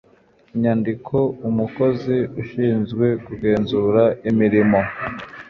nyandiko umukozi ushinzwe kugenzura imirimo